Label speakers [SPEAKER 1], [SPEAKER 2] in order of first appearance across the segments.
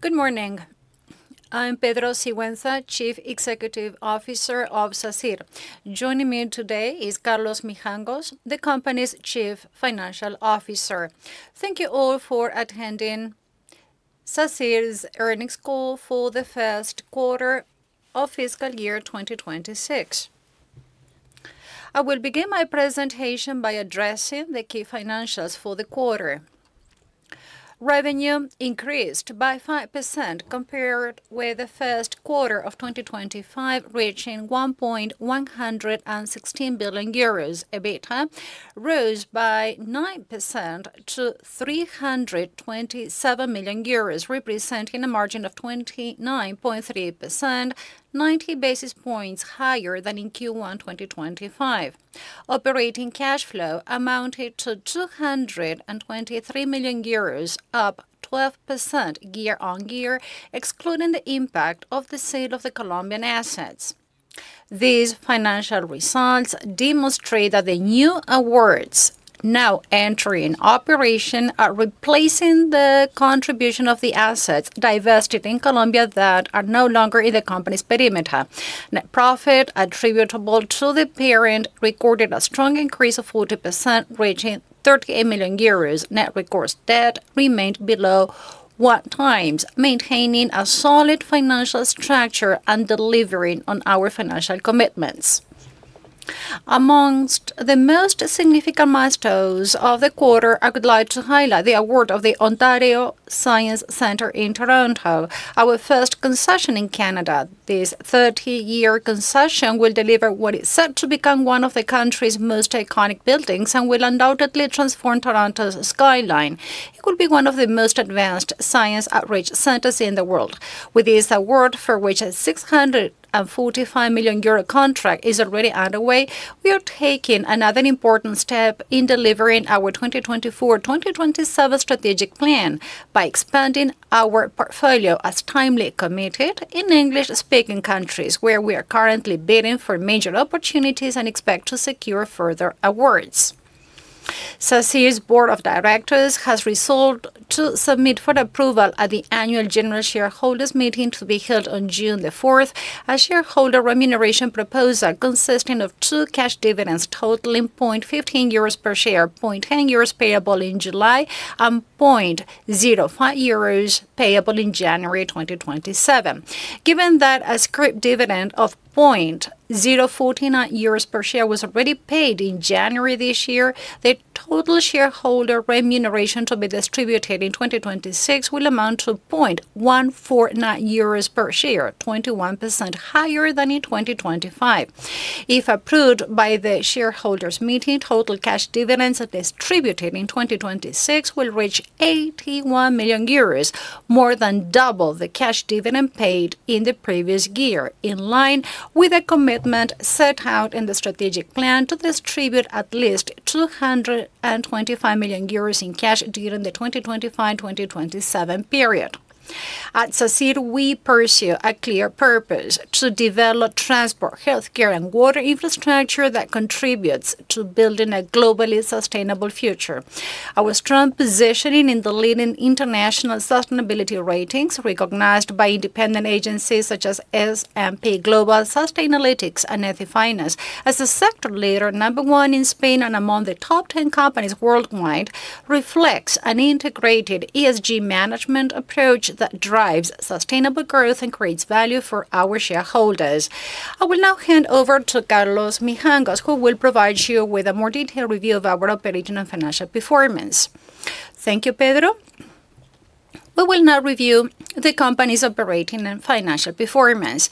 [SPEAKER 1] Good morning. I'm Pedro Sigüenza, Chief Executive Officer of Sacyr. Joining me today is Carlos Mijangos, the company's Chief Financial Officer. Thank you all for attending Sacyr's earnings call for the first quarter of fiscal year 2026. I will begin my presentation by addressing the key financials for the quarter. Revenue increased by 5% compared with the first quarter of 2025, reaching 1.116 billion euros. EBITDA rose by 9% to 327 million euros, representing a margin of 29.3%, 90 basis points higher than in Q1 2025. Operating cash flow amounted to 223 million euros, up 12% year-on-year, excluding the impact of the sale of the Colombian assets. These financial results demonstrate that the new awards now entering operation are replacing the contribution of the assets divested in Colombia that are no longer in the company's perimeter. Net profit attributable to the parent recorded a strong increase of 40%, reaching 38 million euros. Net recourse debt remained below 1x, maintaining a solid financial structure and delivering on our financial commitments. Amongst the most significant milestones of the quarter, I would like to highlight the award of the Ontario Science Centre in Toronto, our first concession in Canada. This 30-year concession will deliver what is set to become one of the country's most iconic buildings, and will undoubtedly transform Toronto's skyline. It will be one of the most advanced science outreach centers in the world. With this award, for which a 645 million euro contract is already underway, we are taking another important step in delivering our 2024/2027 strategic plan by expanding our portfolio as timely committed in English-speaking countries, where we are currently bidding for major opportunities and expect to secure further awards. Sacyr's board of directors has resolved to submit for approval at the annual general shareholders meeting to be held on June 4th, a shareholder remuneration proposal consisting of two cash dividends totaling 0.15 euros per share, 0.10 euros payable in July, and 0.05 euros payable in January 2027. Given that a scrip dividend of 0.049 euros per share was already paid in January this year, the total shareholder remuneration to be distributed in 2026 will amount to 0.149 euros per share, 21% higher than in 2025. If approved by the shareholders' meeting, total cash dividends distributed in 2026 will reach 81 million euros, more than double the cash dividend paid in the previous year, in line with a commitment set out in the strategic plan to distribute at least 225 million euros in cash during the 2025/2027 period. At Sacyr, we pursue a clear purpose to develop transport, healthcare, and water infrastructure that contributes to building a globally sustainable future. Our strong positioning in the leading international sustainability ratings, recognized by independent agencies such as S&P Global, Sustainalytics, and EthiFinance as a sector leader, number one in Spain, and among the top 10 companies worldwide, reflects an integrated ESG management approach that drives sustainable growth and creates value for our shareholders. I will now hand over to Carlos Mijangos, who will provide you with a more detailed review of our operating and financial performance.
[SPEAKER 2] Thank you, Pedro. We will now review the company's operating and financial performance.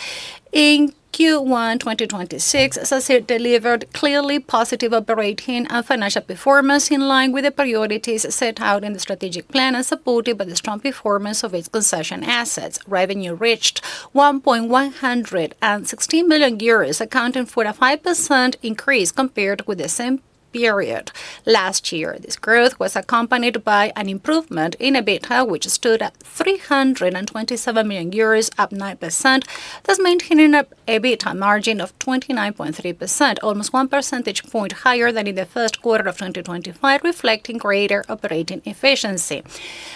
[SPEAKER 2] In Q1 2026, Sacyr delivered clearly positive operating and financial performance in line with the priorities set out in the strategic plan and supported by the strong performance of its concession assets. Revenue reached 1,116 million euros, accounting for a 5% increase compared with the same period last year. This growth was accompanied by an improvement in EBITDA, which stood at 327 million euros, up 9%, thus maintaining EBITDA margin of 29.3%, almost one percentage point higher than in the first quarter of 2025, reflecting greater operating efficiency.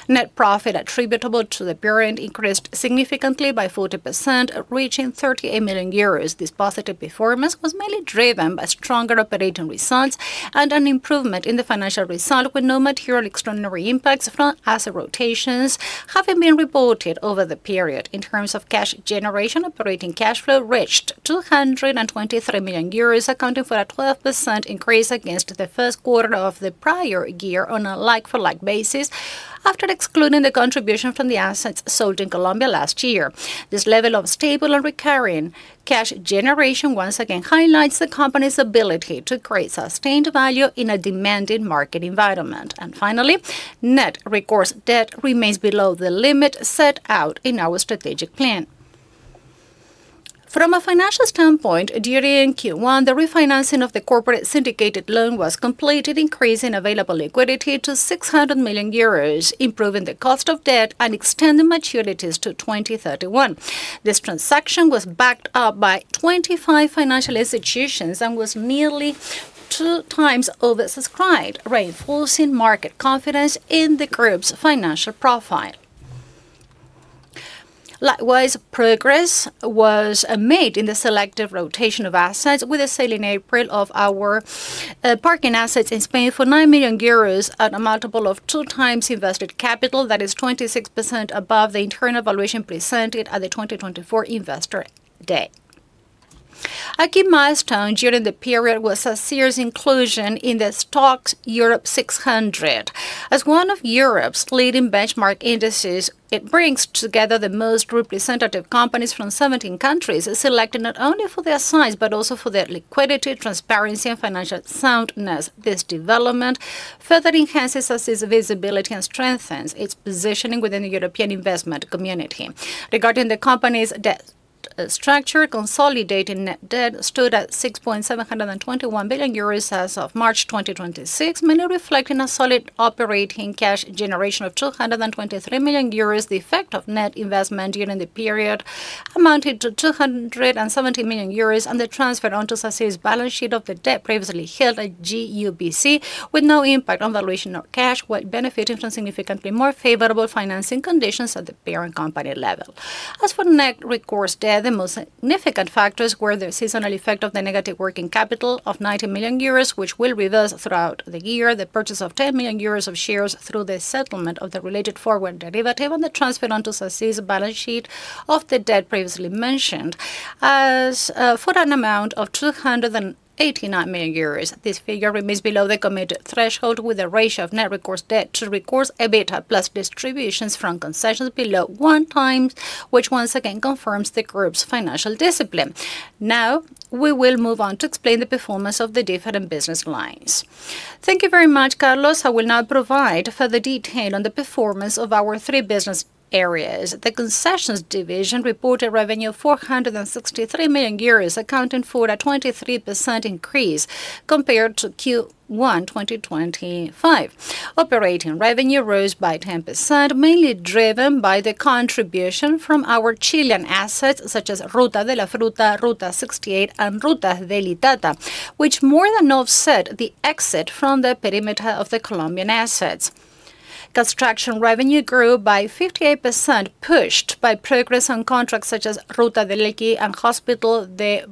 [SPEAKER 2] Net profit attributable to the parent increased significantly by 40%, reaching 38 million euros. This positive performance was mainly driven by stronger operating results and an improvement in the financial result, with no material extraordinary impacts from asset rotations having been reported over the period. In terms of cash generation, operating cash flow reached 223 million euros, accounting for a 12% increase against the first quarter of the prior year on a like-for-like basis, after excluding the contribution from the assets sold in Colombia last year. This level of stable and recurring cash generation once again highlights the company's ability to create sustained value in a demanding market environment. Finally, net recourse debt remains below the limit set out in our strategic plan. From a financial standpoint, during Q1, the refinancing of the corporate syndicated loan was completed, increasing available liquidity to 600 million euros, improving the cost of debt and extending maturities to 2031. This transaction was backed up by 25 financial institutions and was nearly 2x oversubscribed, reinforcing market confidence in the group's financial profile. Likewise, progress was made in the selective rotation of assets with the sale in April of our parking assets in Spain for 9 million euros at a multiple of 2x invested capital. That is 26% above the internal valuation presented at the 2024 Investor Day. A key milestone during the period was a Sacyr's inclusion in the STOXX Europe 600. As one of Europe's leading benchmark indices, it brings together the most representative companies from 17 countries, selected not only for their size but also for their liquidity, transparency, and financial soundness. This development further enhances its visibility and strengthens its positioning within the European investment community. Regarding the company's debt structure, consolidating net debt stood at 6.721 billion euros as of March 2026, mainly reflecting a solid operating cash generation of 223 million euros. The effect of net investment during the period amounted to 270 million euros, and the transfer onto Sacyr's balance sheet of the debt previously held at GUPC, with no impact on valuation or cash, while benefiting from significantly more favorable financing conditions at the parent company level. As for net recourse debt, the most significant factors were the seasonal effect of the negative working capital of 90 million euros, which will reverse throughout the year, the purchase of 10 million euros of shares through the settlement of the related forward derivative, and the transfer onto Sacyr's balance sheet of the debt previously mentioned. As for an amount of 289 million euros, this figure remains below the committed threshold, with a ratio of net recourse debt to recourse EBITDA plus distributions from concessions below 1x, which once again confirms the group's financial discipline. We will move on to explain the performance of the different business lines.
[SPEAKER 1] Thank you very much, Carlos. I will now provide further detail on the performance of our three business areas. The concessions division reported revenue of 463 million euros, accounting for a 23% increase compared to Q1 2025. Operating revenue rose by 10%, mainly driven by the contribution from our Chilean assets, such as Ruta de la Fruta, Ruta 68, and Ruta de la Vida, which more than offset the exit from the perimeter of the Colombian assets. Construction revenue grew by 58%, pushed by progress on contracts such as Ruta del Elqui and Hospital de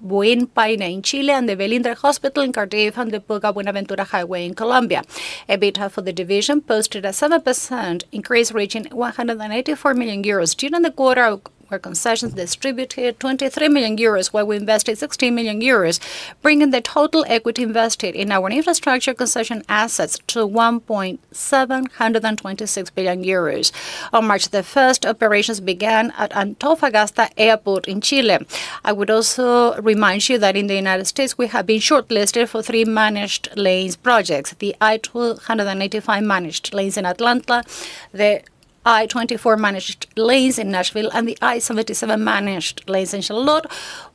[SPEAKER 1] Buen Pastor in Chile, and the Velindre Hospital in Cardiff, and the Buga-Buenaventura Highway in Colombia. EBITDA for the division posted a 7% increase, reaching 184 million euros. During the quarter, our concessions distributed 23 million euros, while we invested 16 million euros, bringing the total equity invested in our infrastructure concession assets to 1.726 billion euros. On March 1st, operations began at Antofagasta Airport in Chile. I would also remind you that in the U.S., we have been shortlisted for three managed lanes projects, the I-285 managed lanes in Atlanta, the I-24 managed lanes in Nashville, and the I-77 managed lanes in Charlotte,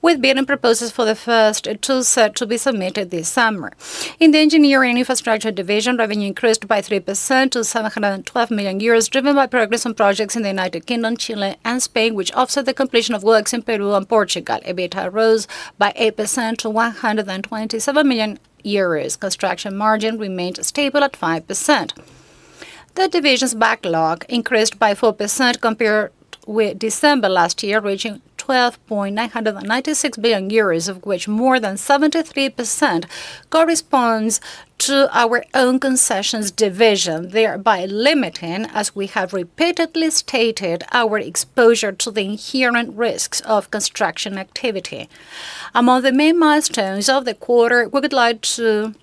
[SPEAKER 1] with bidding proposals for the first two set to be submitted this summer. In the engineering infrastructure division, revenue increased by 3% to 712 million euros, driven by progress on projects in the U.K., Chile, and Spain, which offset the completion of works in Peru and Portugal. EBITDA rose by 8% to 127 million euros. Construction margin remained stable at 5%. The division's backlog increased by 4% compared with December last year, reaching 12.996 billion euros, of which more than 73% corresponds to our own concessions division, thereby limiting, as we have repeatedly stated, our exposure to the inherent risks of construction activity. Among the main milestones of the quarter, we would like to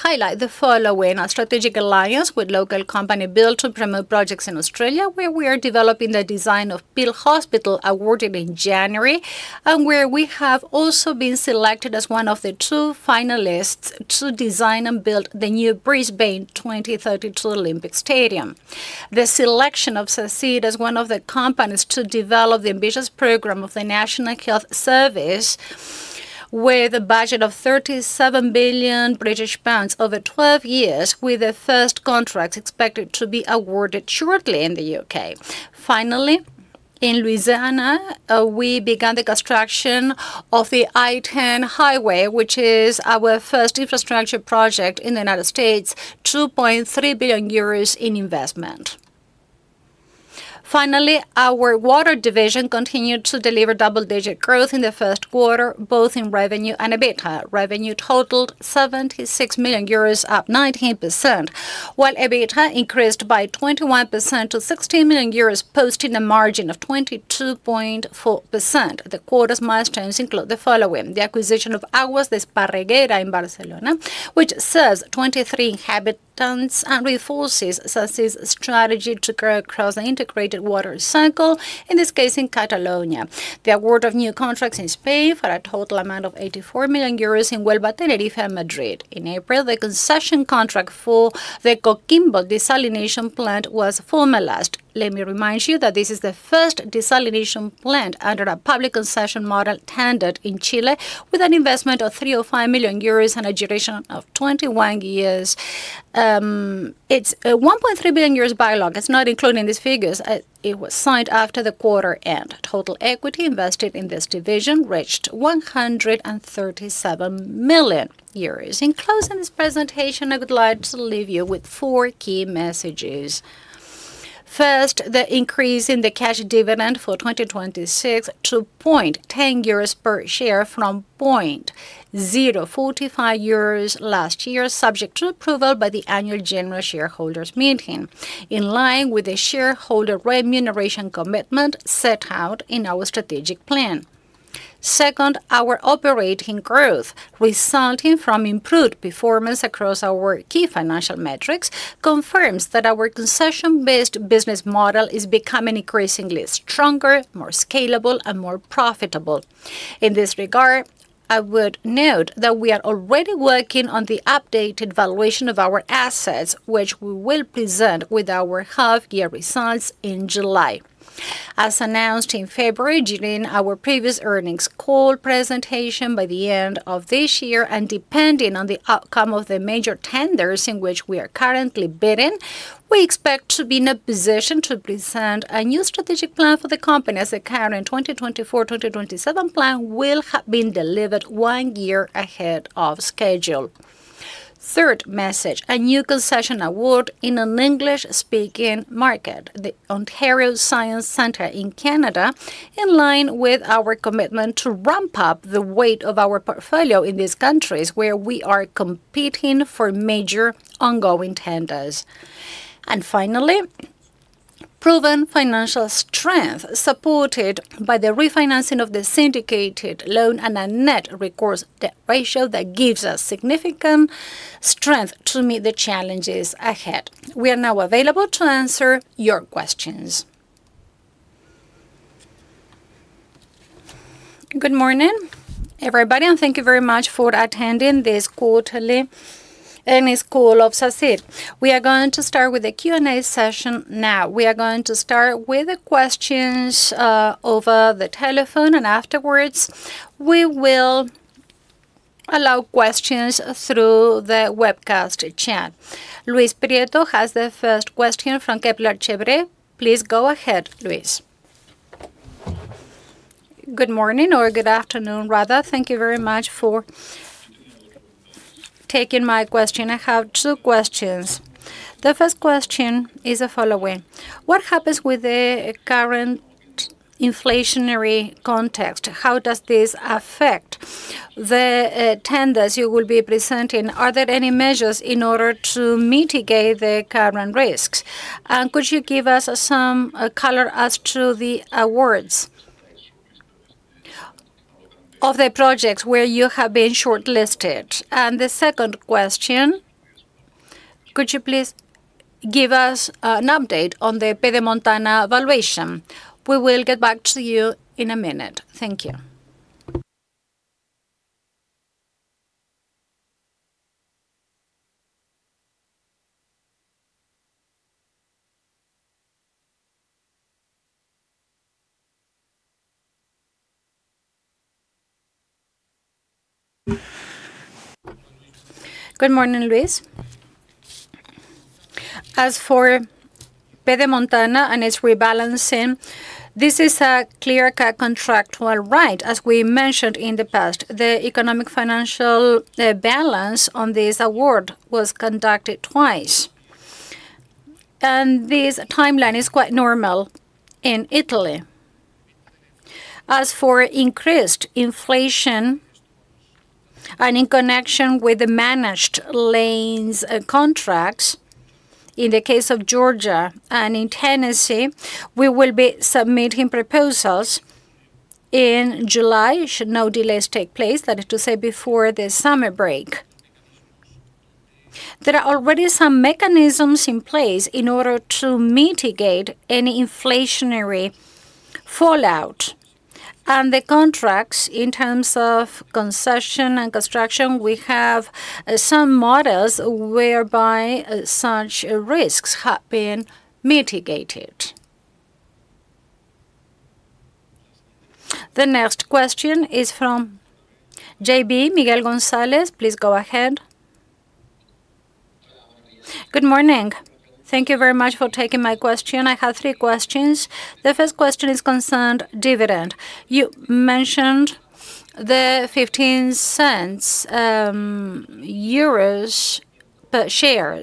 [SPEAKER 1] highlight the following: A strategic alliance with local company Built to promote projects in Australia, where we are developing the design of Peel Health Campus, awarded in January, and where we have also been selected as one of the two finalists to design and build the new Brisbane 2032 Olympic Stadium. The selection of Sacyr as one of the companies to develop the ambitious program of the National Health Service with a budget of 37 billion British pounds over 12 years, with the first contracts expected to be awarded shortly in the U.K. Finally, in Louisiana, we began the construction of the I-10 highway, which is our first infrastructure project in the United States, 2.3 billion euros in investment. Finally, our water division continued to deliver double-digit growth in the first quarter, both in revenue and EBITDA. Revenue totaled 76 million euros, up 19%, while EBITDA increased by 21% to 16 million euros, posting a margin of 22.4%. The quarter's milestones include the following: The acquisition of Aguas de Parregera in Barcelona, which serves 23 inhabitants and reinforces Sacyr's strategy to grow across an integrated water cycle, in this case in Catalonia. The award of new contracts in Spain for a total amount of 84 million euros in Huelva, Tenerife, and Madrid. In April, the concession contract for the Coquimbo desalination plant was formalized. Let me remind you that this is the first desalination plant under a public concession model tendered in Chile with an investment of 305 million euros and a duration of 21 years. Its 1.3 billion euros backlog is not included in these figures, it was signed after the quarter end. Total equity invested in this division reached 137 million euros. In closing this presentation, I would like to leave you with four key messages. First, the increase in the cash dividend for 2026 to 0.10 euros per share from 0.045 euros last year, subject to approval by the annual general shareholders meeting, in line with the shareholder remuneration commitment set out in our strategic plan. Second, our operating growth resulting from improved performance across our key financial metrics confirms that our concession-based business model is becoming increasingly stronger, more scalable, and more profitable. In this regard, I would note that we are already working on the updated valuation of our assets, which we will present with our half-year results in July. As announced in February during our previous earnings call presentation, by the end of this year, and depending on the outcome of the major tenders in which we are currently bidding, we expect to be in a position to present a new strategic plan for the company as the current 2024/2027 plan will have been delivered one year ahead of schedule. Third message, a new concession award in an English-speaking market, the Ontario Science Centre in Canada, in line with our commitment to ramp up the weight of our portfolio in these countries where we are competing for major ongoing tenders. Finally, proven financial strength supported by the refinancing of the syndicated loan and a net recourse debt ratio that gives us significant strength to meet the challenges ahead. We are now available to answer your questions.
[SPEAKER 3] Good morning, everybody, and thank you very much for attending this quarterly earnings call of Sacyr. We are going to start with the Q&A session now. We are going to start with the questions over the telephone, and afterwards, we will allow questions through the webcast chat. Luis Prieto has the first question from Kepler Cheuvreux. Please go ahead, Luis.
[SPEAKER 4] Good morning, or good afternoon, rather. Thank you very much for taking my question. I have two questions. The first question is the following. What happens with the current inflationary context? How does this affect the tenders you will be presenting? Are there any measures in order to mitigate the current risks? Could you give us some color as to the awards of the projects where you have been shortlisted? The second question, could you please give us an update on the Pedemontana-Veneta valuation? We will get back to you in a minute. Thank you.
[SPEAKER 1] Good morning, Luis. As for Pedemontana and its rebalancing, this is a clear contractual right. As we mentioned in the past, the economic financial balance on this award was conducted twice, and this timeline is quite normal in Italy. As for increased inflation and in connection with the managed lanes contracts, in the case of Georgia and in Tennessee, we will be submitting proposals in July should no delays take place, that is to say, before the summer break. There are already some mechanisms in place in order to mitigate any inflationary fallout. The contracts, in terms of concession and construction, we have some models whereby such risks have been mitigated.
[SPEAKER 3] The next question is from JB Miguel González. Please go ahead.
[SPEAKER 5] Good morning. Thank you very much for taking my question. I have three questions. The first question is concerned dividend. You mentioned the 0.15 per share.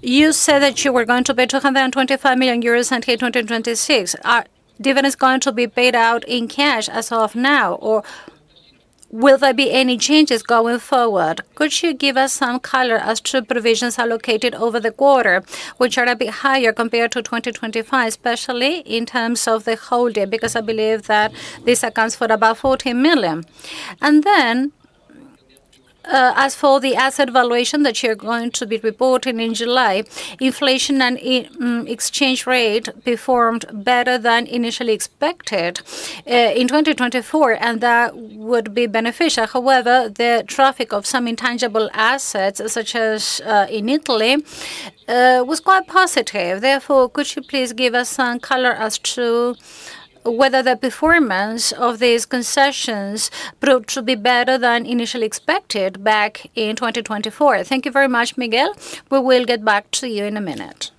[SPEAKER 5] You said that you were going to pay 225 million euros in 2026. Are dividends going to be paid out in cash as of now, or will there be any changes going forward? Could you give us some color as to provisions allocated over the quarter, which are a bit higher compared to 2025, especially in terms of the whole year? I believe that this accounts for about 14 million. As for the asset valuation that you're going to be reporting in July, inflation and exchange rate performed better than initially expected in 2024, and that would be beneficial. However, the traffic of some intangible assets, such as in Italy, was quite positive. Therefore, could you please give us some color as to whether the performance of these concessions proved to be better than initially expected back in 2024?
[SPEAKER 3] Thank you very much, Miguel. We will get back to you in a minute.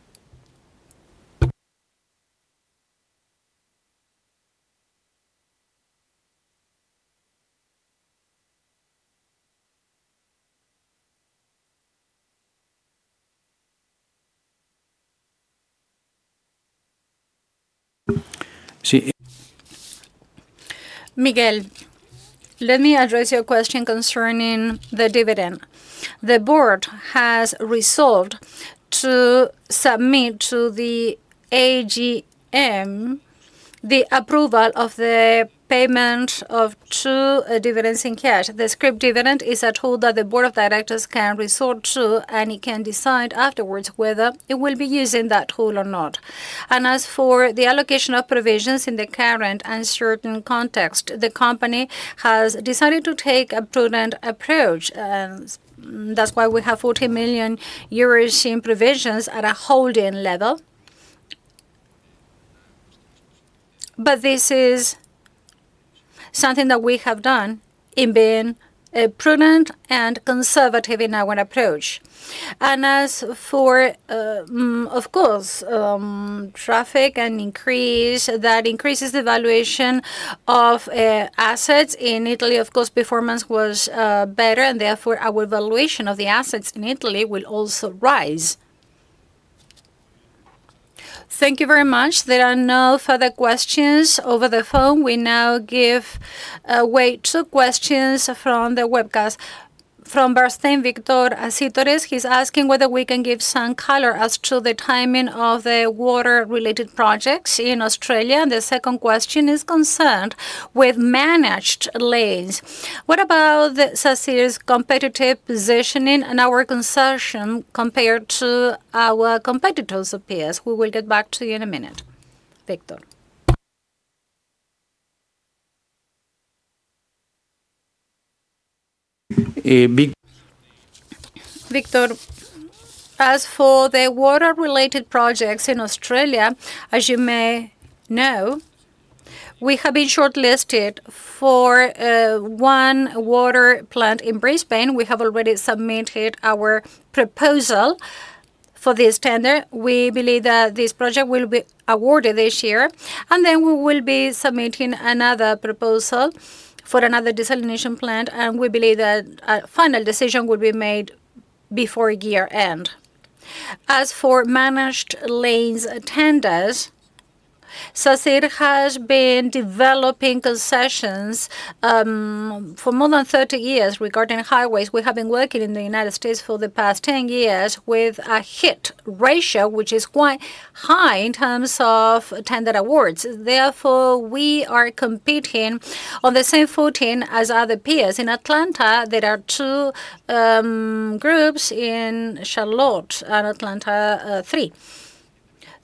[SPEAKER 1] Miguel, let me address your question concerning the dividend. The board has resolved to submit to the AGM the approval of the payment of two dividends in cash. The scrip dividend is a tool that the board of directors can resort to, and it can decide afterwards whether it will be using that tool or not. As for the allocation of provisions in the current uncertain context, the company has decided to take a prudent approach. That's why we have 40 million euros in provisions at a holding level. This is something that we have done in being prudent and conservative in our approach. As for, of course, traffic and increase, that increases the valuation of assets in Italy. Of course, performance was better, and therefore, our valuation of the assets in Italy will also rise.
[SPEAKER 3] Thank you very much. There are no further questions over the phone. We now give way to questions from the webcast. From Bernstein, Victor Acitores. He is asking whether we can give some color as to the timing of the water-related projects in Australia. The second question is concerned with managed lanes. What about Sacyr's competitive positioning and our concession compared to our competitors' peers? We will get back to you in a minute, Victor.
[SPEAKER 1] Victor, as for the water-related projects in Australia, as you may know, we have been shortlisted for one water plant in Brisbane. We have already submitted our proposal for this tender. We believe that this project will be awarded this year, and then we will be submitting another proposal for another desalination plant, and we believe that a final decision will be made before year-end. As for managed lanes tenders, Sacyr has been developing concessions for more than 30 years regarding highways. We have been working in the U.S. for the past 10 years with a hit ratio which is quite high in terms of tender awards. We are competing on the same footing as other peers. In Atlanta, there are two groups. In Charlotte and Atlanta, three.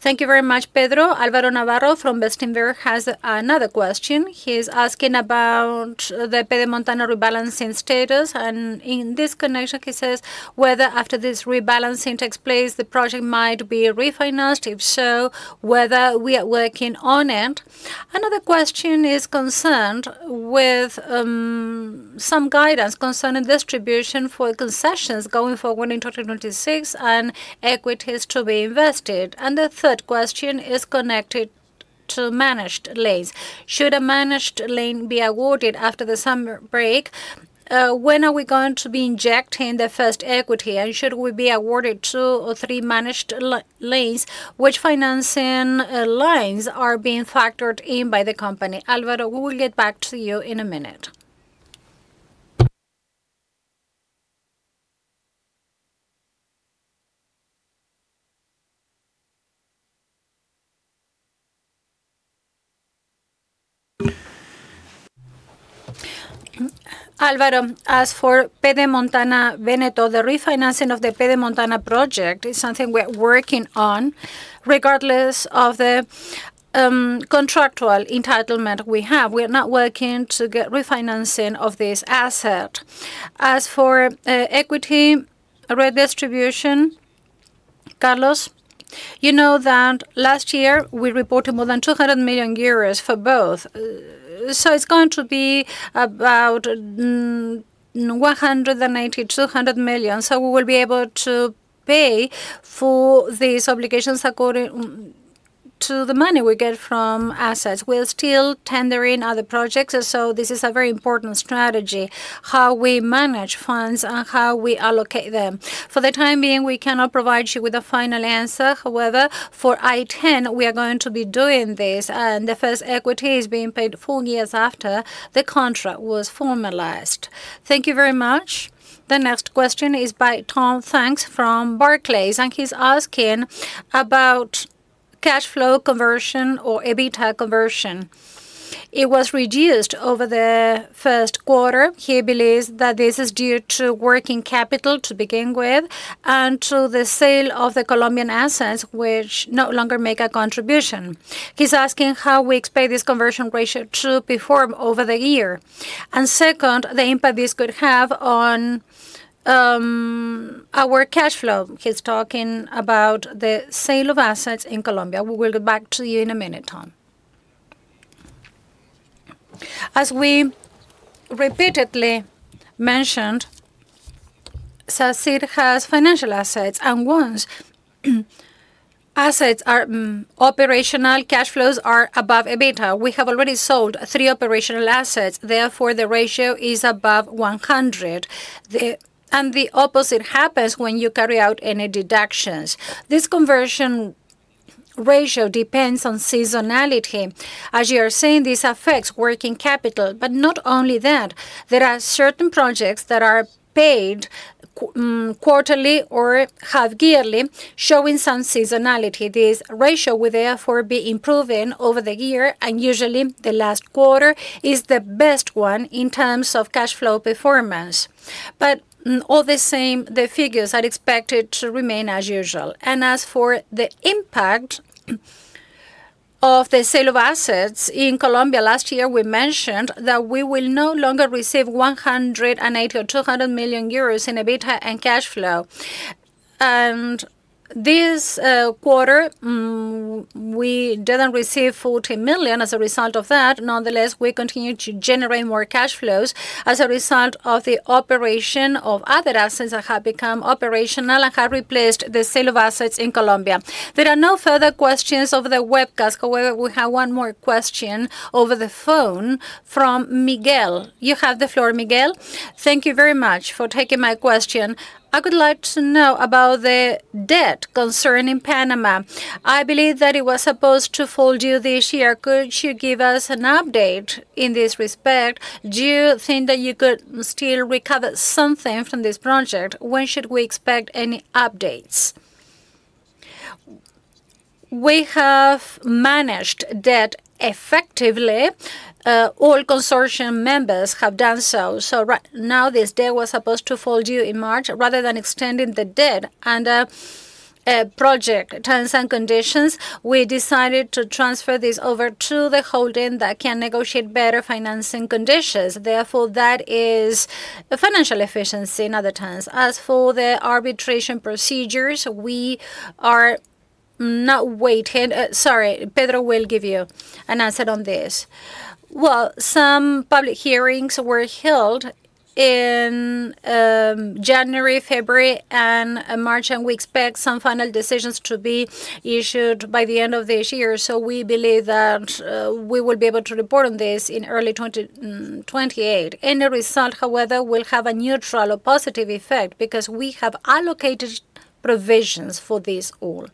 [SPEAKER 3] Thank you very much, Pedro. Álvaro Navarro from Bestinver has another question. He is asking about the Pedemontana rebalancing status. In this connection, he says whether after this rebalancing takes place, the project might be refinanced. If so, whether we are working on it. Another question is concerned with some guidance concerning distribution for concessions going forward in 2026 and equities to be invested. The third question is connected to managed lanes. Should a managed lane be awarded after the summer break, when are we going to be injecting the first equity? Should we be awarded two or three managed lanes, which financing lines are being factored in by the company? Alvaro, we will get back to you in a minute.
[SPEAKER 1] Alvaro, as for Pedemontana-Veneto, the refinancing of the Pedemontana project is something we're working on, regardless of the contractual entitlement we have. We are not working to get refinancing of this asset. As for equity redistribution, Carlos.
[SPEAKER 2] You know that last year we reported more than 200 million euros for both. It's going to be about 180 million, 200 million. We will be able to pay for these obligations according to the money we get from assets. We are still tendering other projects, so this is a very important strategy, how we manage funds and how we allocate them. For the time being, we cannot provide you with a final answer. However, for I-10, we are going to be doing this, and the first equity is being paid four years after the contract was formalized.
[SPEAKER 3] Thank you very much. The next question is by Tom Banks from Barclays, and he's asking about cash flow conversion or EBITDA conversion. It was reduced over the first quarter. He believes that this is due to working capital to begin with and to the sale of the Colombian assets which no longer make a contribution. He's asking how we expect this conversion ratio to perform over the year. Second, the impact this could have on our cash flow. He's talking about the sale of assets in Colombia. We will get back to you in a minute, Tom.
[SPEAKER 1] As we repeatedly mentioned, Sacyr has financial assets and assets are operational. Cash flows are above EBITDA. We have already sold three operational assets, therefore the ratio is above 100%. The opposite happens when you carry out any deductions. This conversion ratio depends on seasonality. As you are saying, this affects working capital, but not only that. There are certain projects that are paid quarterly or half yearly, showing some seasonality. This ratio will therefore be improving over the year. Usually the last quarter is the best one in terms of cash flow performance. All the same, the figures are expected to remain as usual. As for the impact of the sale of assets in Colombia, last year we mentioned that we will no longer receive 180 million or 200 million euros in EBITDA and cash flow. This quarter, we didn't receive 40 million as a result of that. Nonetheless, we continue to generate more cash flows as a result of the operation of other assets that have become operational and have replaced the sale of assets in Colombia.
[SPEAKER 3] There are no further questions over the webcast. However, we have one more question over the phone from Miguel. You have the floor, Miguel.
[SPEAKER 5] Thank you very much for taking my question. I would like to know about the debt concern in Panama. I believe that it was supposed to fall due this year. Could you give us an update in this respect? Do you think that you could still recover something from this project? When should we expect any updates?
[SPEAKER 2] We have managed debt effectively. All consortium members have done so. Right now this debt was supposed to fall due in March. Rather than extending the debt under project terms and conditions, we decided to transfer this over to the holding that can negotiate better financing conditions. Therefore, that is a financial efficiency in other terms. As for the arbitration procedures, we are not waiting. Sorry, Pedro will give you an answer on this.
[SPEAKER 1] Well, some public hearings were held in January, February, and March, and we expect some final decisions to be issued by the end of this year. We believe that we will be able to report on this in early 2028. Any result, however, will have a neutral or positive effect because we have allocated provisions for this all.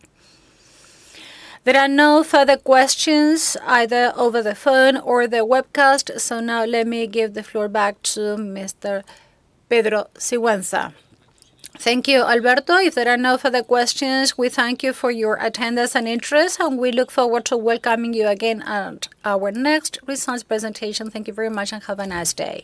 [SPEAKER 3] There are no further questions either over the phone or the webcast. Now let me give the floor back to Mr. Pedro Sigüenza.
[SPEAKER 1] Thank you, Alberto. If there are no further questions, we thank you for your attendance and interest, and we look forward to welcoming you again at our next results presentation. Thank you very much and have a nice day.